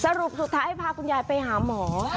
สรุปสุดท้ายพาคุณยายไปหาหมอ